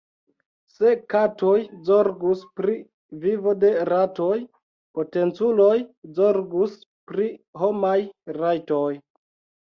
Se katoj zorgus pri vivo de ratoj, potenculoj zorgus pri homaj rajtoj.